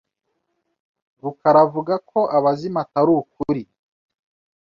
rukaraavuga ko abazimu atari ukuri.